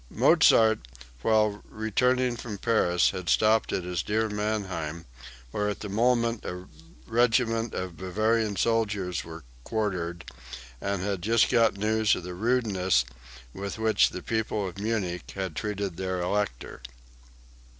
Mozart, while returning from Paris, had stopped at his "dear Mannheim," where at the moment a regiment of Bavarian soldiers were quartered, and had just got news of the rudeness with which the people of Munich had treated their Elector.)